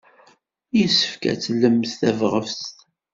Yessefk ad tlem tabɣest.